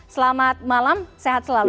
selamat malam sehat selalu